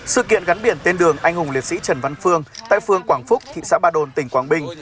sự kiện gắn biển tên đường anh hùng liệt sĩ trần văn phương tại phương quảng phúc thị xã ba đồn tỉnh quảng bình